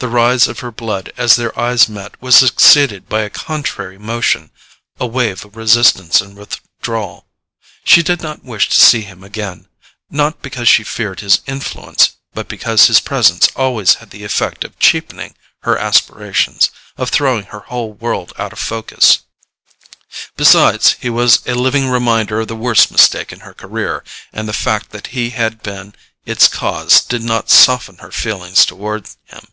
The rise of her blood as their eyes met was succeeded by a contrary motion, a wave of resistance and withdrawal. She did not wish to see him again, not because she feared his influence, but because his presence always had the effect of cheapening her aspirations, of throwing her whole world out of focus. Besides, he was a living reminder of the worst mistake in her career, and the fact that he had been its cause did not soften her feelings toward him.